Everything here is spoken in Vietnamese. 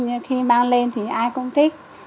nhưng khi mang lên thì ai cũng thích